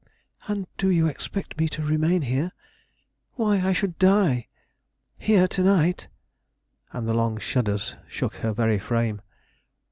"And do you expect me to remain here? Why, I should die! Here to night?" and the long shudders shook her very frame.